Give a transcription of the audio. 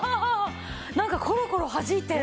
なんかコロコロはじいてる。